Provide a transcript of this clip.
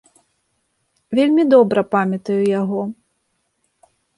Вельмі добра памятаю яго.